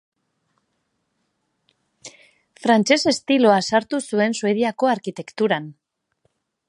Frantses estiloa sartu zuen Suediako arkitekturan.